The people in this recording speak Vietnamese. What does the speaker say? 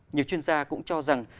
nhiều chuyên gia cũng cho rằng